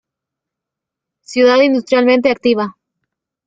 Ciudad industrialmente activa.